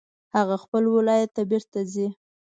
هغه خپل ولایت ته بیرته ځي